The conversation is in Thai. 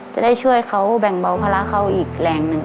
จะได้ช่วยเขาแบ่งเบาภาระเขาอีกแรงหนึ่ง